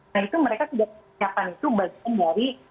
nah itu mereka sudah menyiapkan itu bagian dari